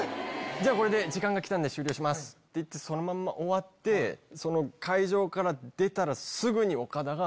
じゃあこれで時間がきたんで終了しますっていってそのまんま終わってその会場から出たらすぐに岡田が。